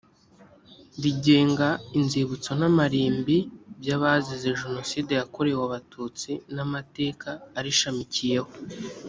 rigenga inzibutso n amarimbi by abazize jenoside yakorewe abatutsi n amateka arishamikiyeho